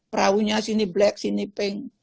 perahunya sini black sini pink